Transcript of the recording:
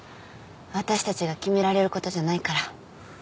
私たちが決められる事じゃないから。